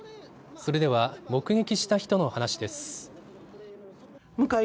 それでは目撃した人の話です。